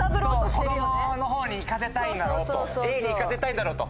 子供の方にいかせたいんだろうとＡでいかせたいんだろうと。